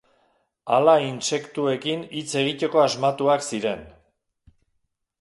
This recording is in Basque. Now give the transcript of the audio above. Ala intsektuekin hitz egiteko asmatuak ziren.